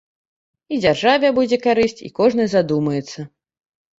І дзяржаве будзе карысць, і кожны задумаецца.